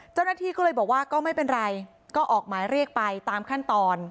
เจ้าหน้าที่ก็เลยบอกว่าก็ไม่เป็นไรก็ออกหมายเรียกไปตามขั้นตอน